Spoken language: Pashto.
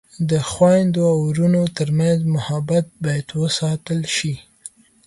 د خویندو او ورونو ترمنځ محبت باید وساتل شي.